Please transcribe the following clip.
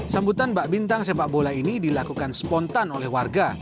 sambutan bak bintang sepak bola ini dilakukan spontan oleh warga